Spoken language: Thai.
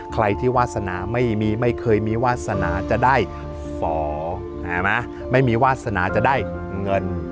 ใครที่วาสนาไม่มีไม่เคยมีวาสนาจะได้ฝอไม่มีวาสนาจะได้เงิน